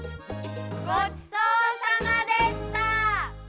ごちそうさまでした！